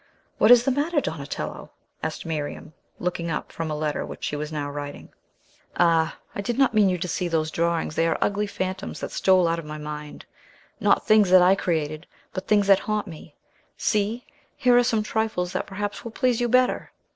"What is the matter, Donatello?" asked Miriam, looking up from a letter which she was now writing. "Ah! I did not mean you to see those drawings. They are ugly phantoms that stole out of my mind; not things that I created, but things that haunt me. See! here are some trifles that perhaps will please you better."